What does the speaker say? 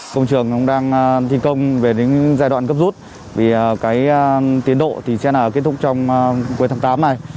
công trường đang thi công về những giai đoạn cấp rút vì cái tiến độ sẽ là kết thúc trong cuối tháng tám này